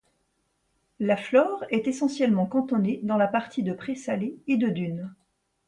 La flore est essentiellement cantonnée dans la partie de prés salés et de dunes.